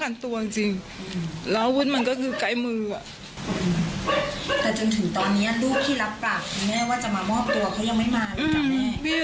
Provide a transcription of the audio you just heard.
การตัวจริงแล้วมันก็คือใกล้มือตอนนี้ลูกที่รับกลับแม่ว่า